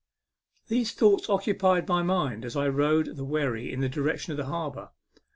These thoughts occupied my inind as I rowed the wherry in the direction of the harbour.